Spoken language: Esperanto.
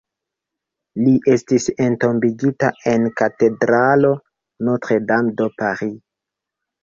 Li estis entombigita en la katedralo Notre-Dame de Paris.